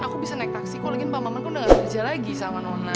aku bisa naik taksi kalau nanti pak maman udah gak kerja lagi sama nona